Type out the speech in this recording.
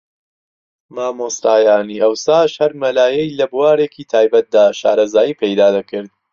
مامۆستایانی ئەوساش ھەر مەلایەی لە بوارێکی تایبەتدا شارەزایی پەیدا دەکرد